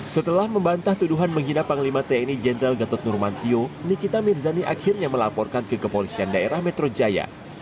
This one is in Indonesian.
setelah membantah tuduhan menghina panglima tni jenderal gatot nurmantio nikita mirzani akhirnya melaporkan ke kepolisian daerah metro jaya